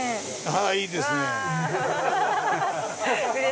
ああいいですね。